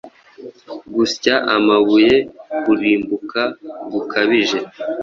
Gusya amabuye Kurimbuka gukabije